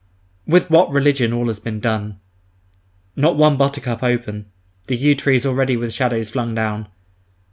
With what religion all has been done! Not one buttercup open; the yew trees already with shadows flung down!